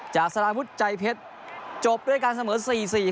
จากสารามุธใจเพชรจบด้วยการเสมอสี่สี่ครับ